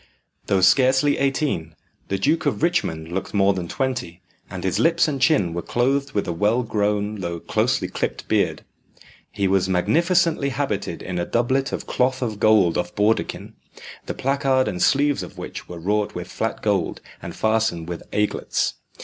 Though scarcely eighteen, the Duke of Richmond looked more than twenty, and his lips and chin were clothed with a well grown though closely clipped beard. He was magnificently habited in a doublet of cloth of gold of bawdekin, the placard and sleeves of which were wrought with flat gold, and fastened with aiglets.